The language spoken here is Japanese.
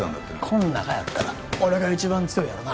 この中やったら俺が一番強いやろな。